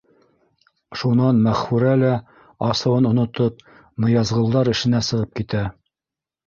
Шунан Мәғфүрә лә, асыуын онотоп, Ныязғолдар эшенә сығып китә.